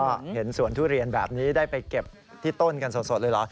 ก็เห็นสวนทุเรียนแบบนี้ได้ไปเก็บที่ต้นกันสดเลยเหรอ